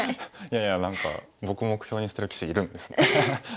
いやいや何か僕目標にしてる棋士いるんですね。